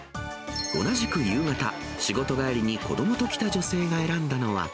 同じく夕方、仕事帰りに子どもと来た女性が選んだのは。